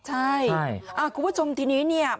ใช่ใช่อ่าคุณผู้ชมทีนี้เนี้ยอ่า